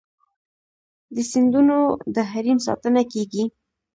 د سیندونو د حریم ساتنه کیږي؟